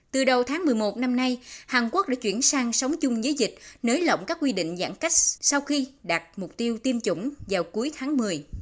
từ đầu tháng một mươi một năm nay hàn quốc đã chuyển sang sống chung với dịch nới lỏng các quy định giãn cách sau khi đạt mục tiêu tiêm chủng vào cuối tháng một mươi